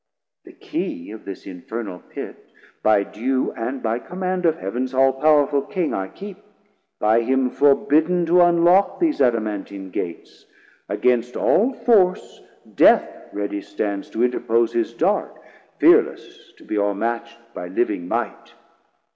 The key of this infernal Pit by due, 850 And by command of Heav'ns all powerful King I keep, by him forbidden to unlock These Adamantine Gates; against all force Death ready stands to interpose his dart, Fearless to be o'rematcht by living might.